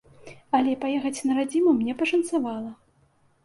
Але паехаць на радзіму мне пашанцавала.